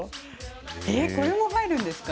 え、これも入るんですか？